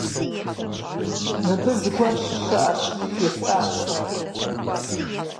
- Мыбы зыгуэр щыщыӀэщ, – жесӀащ сэ абы.